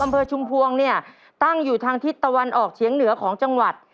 อำเภอชุมพวงตั้งอยู่ทางทิศตะวันออกเฉียงเหนือของจังหวัด